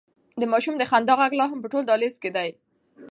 د ماشوم د خندا غږ لا هم په ټول دهلېز کې دی.